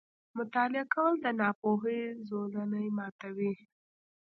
• مطالعه کول، د ناپوهۍ زولنې ماتوي.